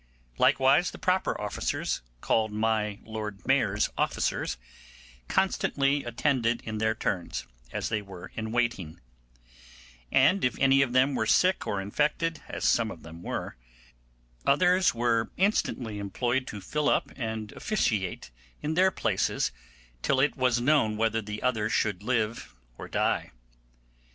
Likewise the proper officers, called my Lord Mayor's officers, constantly attended in their turns, as they were in waiting; and if any of them were sick or infected, as some of them were, others were instantly employed to fill up and officiate in their places till it was known whether the other should live or die.